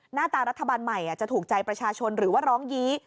หน้าตารัฐบาลใหม่จะถูกใจประชาชนหรือว่าร้องยี้